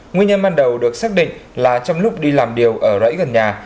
nguyên nhân ban đầu được xác định là trong lúc đi làm điều ở rẫy gần nhà